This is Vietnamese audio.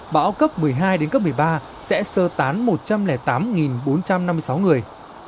bão cấp một mươi hai đến cấp một mươi ba sẽ sơ tán một trăm linh tám bốn trăm năm mươi sáu người